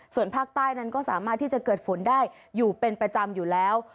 ส่วนภาคใต้นั้นก็สามารถที่จะเกิดฝนได้อยู่เป็นประจำอยู่แล้ว